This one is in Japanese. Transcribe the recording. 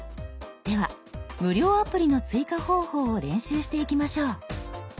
では無料アプリの追加方法を練習していきましょう。